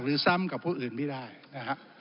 หรือซ้ำกับผู้อื่นไม่ได้นะครับ